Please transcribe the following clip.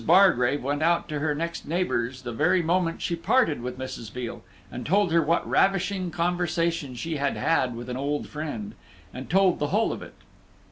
Bargrave went out to her next neighbor's the very moment she parted with Mrs. Veal, and told her what ravishing conversation she had had with an old friend, and told the whole of it.